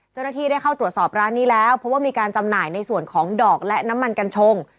เจ้าหน้าที่ได้เข้าตรวจสอบร้านนี้แล้วเพราะว่ามีการจำหน่ายในส่วนของดอกและน้ำมันกัญชง